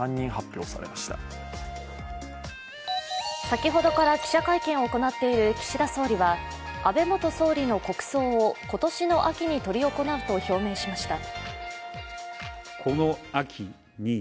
先ほどから記者会見を行っている岸田総理は安倍元総理の国葬を今年の秋に執り行うと表明しました。